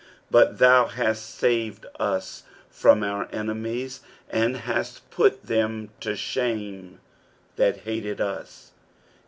7 But thou hast saved us from our enemies, and hast put them to shame that hated us.